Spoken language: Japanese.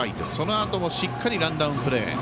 そのあともしっかりランナープレー。